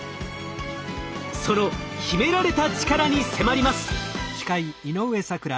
その秘められたチカラに迫ります。